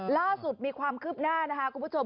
ล่าสุดมีความคืบหน้านะคะคุณผู้ชม